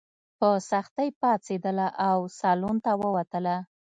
په سختۍ پاڅېدله او سالون ته ووتله.